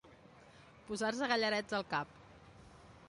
Posar-se gallarets al cap.